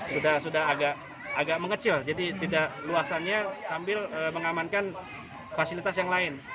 jadi sudah agak mengecil jadi tidak luasannya sambil mengamankan fasilitas yang lain